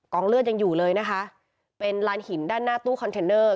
เลือดยังอยู่เลยนะคะเป็นลานหินด้านหน้าตู้คอนเทนเนอร์